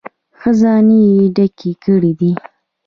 خزانې یې ډکې کړې دي.